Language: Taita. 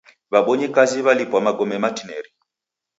W'abonyi kazi w'alipwa magome matineri.